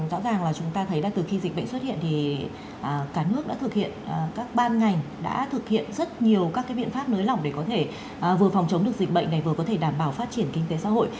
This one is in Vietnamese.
rõ ràng là chúng ta thấy là từ khi dịch bệnh xuất hiện thì cả nước đã thực hiện các ban ngành đã thực hiện rất nhiều các cái biện pháp nới lỏng để có thể vừa phòng chống được dịch bệnh này vừa có thể đảm bảo phát triển kinh tế xã hội